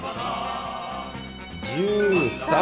１３。